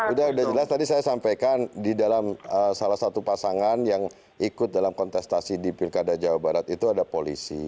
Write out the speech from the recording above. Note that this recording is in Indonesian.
udah udah jelas tadi saya sampaikan di dalam salah satu pasangan yang ikut dalam kontestasi di pilkada jawa barat itu ada polisi